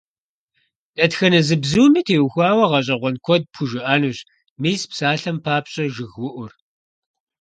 Дэтхэнэ зы бзуми теухуауэ гъэщӀэгъуэн куэд пхужыӀэнущ, мис псалъэм папщӀэ жыгыуӀур.